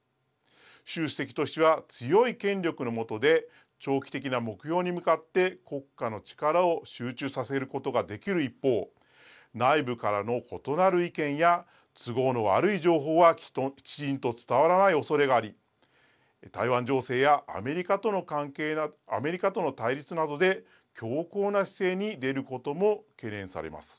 習主席としては強い権力の下で長期的な目標に向かって国家の力を集中させることができる一方内部からの異なる意見や都合の悪い情報はきちんと伝わらないおそれがあり台湾情勢やアメリカとの対立などで強硬な姿勢に出ることも懸念されます。